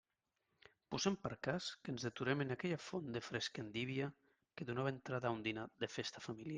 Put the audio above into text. Posem per cas que ens deturem en aquella font de fresca endívia que donava entrada a un dinar de festa familiar.